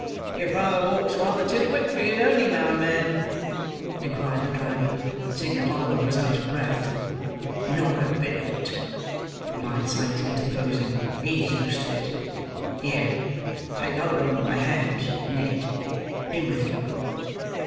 "Your father walks rather too quick for you, don't he, my man?" inquired the driver: seeing that Oliver was out of breath. "Not a bit of it," replied Sikes, interposing. "He's used to it. Here, take hold of my hand, Ned. In with you!"